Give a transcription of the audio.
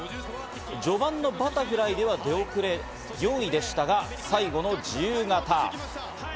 序盤のバタフライでは出遅れ、４位でしたが最後の自由形。